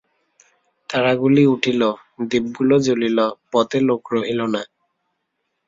তারাগুলি উঠিল, দীপ গুলি জ্বলিল, পথে লােক রহিল না।